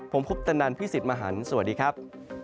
ผมคุปตนันพี่สิทธิ์มหันฯสวัสดีครับ